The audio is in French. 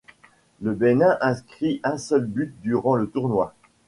Le Bénin inscrit un seul but durant le tournoi.